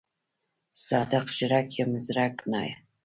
صادق ژړک یم زرک نه.